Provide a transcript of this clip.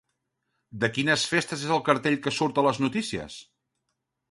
De quines festes és el cartell que surt a les notícies?